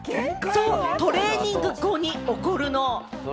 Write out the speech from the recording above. トレーニング後に起こるの。